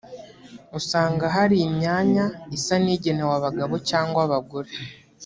usanga hari imyanya isa n’igenewe abagabo cyangwa abagore